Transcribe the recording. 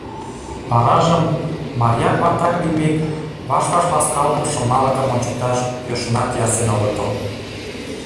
Варажым, марияк-ватак лиймек, ваш-ваш ласкалык-шымалыкым ончыкташ йӧршынак ярсен огытыл.